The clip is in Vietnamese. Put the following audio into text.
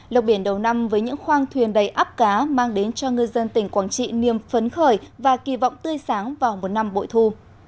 lộc biển đầu năm với những khoang thuyền đầy áp cá mang đến cho ngư dân tỉnh quảng trị niềm phấn khởi và kỳ vọng tươi sáng vào một năm bội thu